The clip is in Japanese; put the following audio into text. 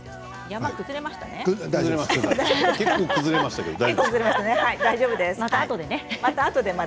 結構、崩れましたけど大丈夫です。